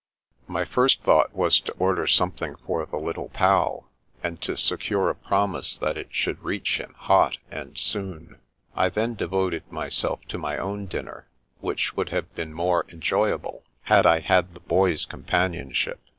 My first thought was to order something for the Little Pal, and to secure a promise that it should reach him hot, and soon. I then devoted myself to The Americans 301 my own dinner, which would have been more en joyable had I had the Boy's companionship.